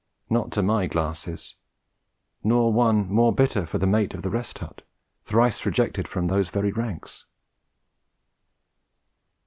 Not to my glasses; nor one more bitter for the mate of the Rest Hut, thrice rejected from those very ranks.